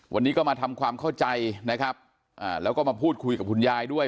วันนี้ก็มาทำความเข้าใจนะครับแล้วก็มาพูดคุยกับคุณยายด้วย